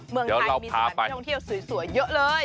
เมืองไทยมีสถานที่ท่องเที่ยวสวยเยอะเลย